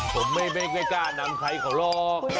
ผมไม่ค่อยกล้านำใครเขาหรอก